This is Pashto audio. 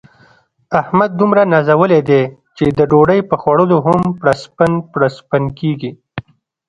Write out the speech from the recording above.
احمد دومره نازولی دی، چې د ډوډۍ په خوړلو هم پړسپن پړسپن کېږي.